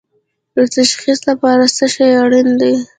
د تشخیص لپاره څه شی اړین دي؟